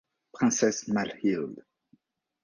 Princesse Malhilde.